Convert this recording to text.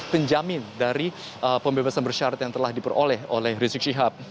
penjamin dari pembebasan bersyarat yang telah diperoleh oleh rizik syihab